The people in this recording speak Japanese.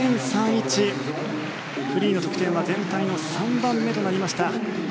フリーの得点は全体の３番目となりました。